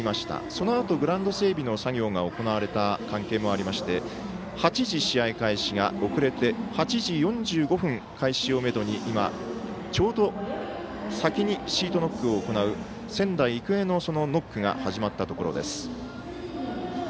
そのあとグラウンド整備の作業が行われた関係もありまして８時試合開始が遅れて８時４５分開始めどでちょうど先にシートノックを行う仙台育英のノックが始まったところです。